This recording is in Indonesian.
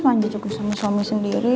panji cukup sama suami sendiri